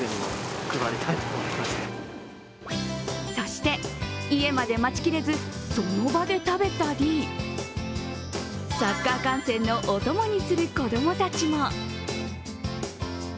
そして、家まで待ちきれずその場で食べたりサッカー観戦のおともにする子供たちも。